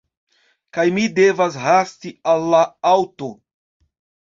Kaj mi devas hasti al la aŭto